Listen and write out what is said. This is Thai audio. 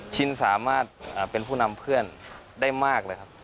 ชินสามารถเป็นผู้นำเพื่อนได้มากเลยครับ